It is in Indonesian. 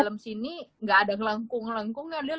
dalam sini gak ada ngelengkung lengkung ya dia lho